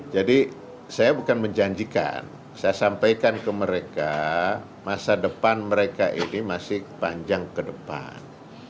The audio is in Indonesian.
jadi saya bukan menjanjikan saya sampaikan ke mereka masa depan mereka ini masih panjang ke depan